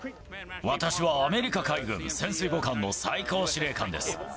私はアメリカ海軍潜水母艦の最高司令官です。